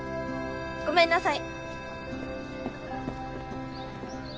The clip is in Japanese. ごめんなさい。